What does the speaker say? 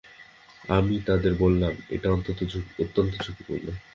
আমি তাদের বললাম, এটা অত্যন্ত ঝুঁকিপূর্ণ।